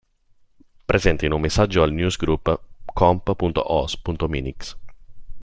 Presente in un messaggio al newsgroup comp.os.minix.